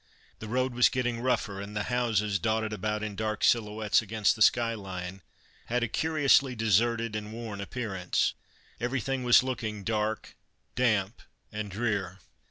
The road was getting rougher, and the houses, dotted about in dark silhouettes against the sky line, had a curiously deserted and worn appearance. Everything was looking dark, damp and drear.